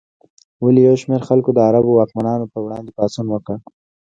ولې یو شمېر خلکو د عربو واکمنانو پر وړاندې پاڅون وکړ؟